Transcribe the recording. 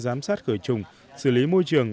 giám sát khử trùng xử lý môi trường